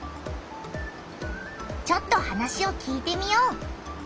ちょっと話を聞いてみよう！